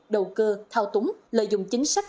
đầu cơ thao túng lợi dụng chính sách